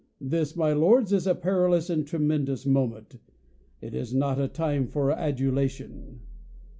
This, my lords, is a perilous and tremendous moment! It is not a time for adulation.